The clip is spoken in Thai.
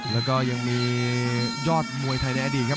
แล้วก็ยังมียอดมวยไทยในอดีตครับ